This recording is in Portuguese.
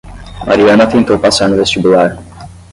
Mariana tentou passar no vestibular.